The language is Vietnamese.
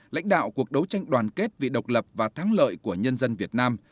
lãnh đạo cuộc đấu tranh đoàn kết vì độc lập và thắng lợi của nhân dân việt nam